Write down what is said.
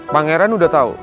pangeran udah tau